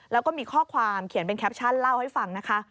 แล้วก็มีข้อความเขียนเป็นแคปชั่นเล่าให้ฟังนะคะ